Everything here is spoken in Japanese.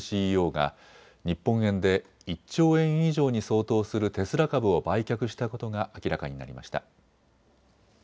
ＣＥＯが日本円で１兆円以上に相当するテスラ株を売却したことが明らかになりました。